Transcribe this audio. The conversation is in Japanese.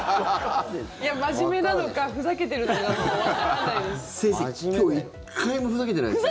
真面目なのかふざけてるのかわからないです。